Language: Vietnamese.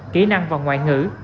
kỹ năng và ngoại ngữ